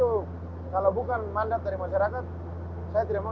pak kini walaupun kita berada dalam keselamatan saya jadi teringat dengan kasus yang masih terjadi